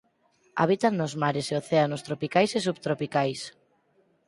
Habitan nos mares e océanos tropicais e subtropicais.